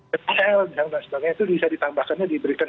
dan sebagainya itu bisa ditambahkannya diberikan